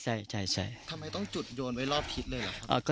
ใช่ทำไมต้องจุดโยนไว้รอบทิศเลยเหรอครับ